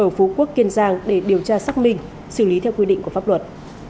ở phú quốc kiên giang để điều tra xác minh xử lý theo quy định của pháp luật